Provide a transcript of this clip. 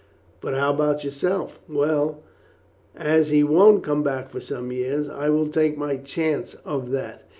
"But how about yourself?" "Well, as he won't come back for some years, I will take my chance of that.